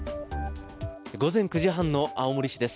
午前９時半の青森市です。